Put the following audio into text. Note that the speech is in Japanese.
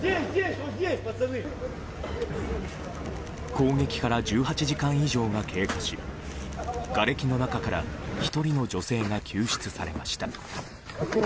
攻撃から１８時間以上が経過しがれきの中から１人の女性が救出されました。